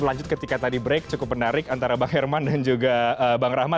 lanjut ketika tadi break cukup menarik antara bang herman dan juga bang rahmat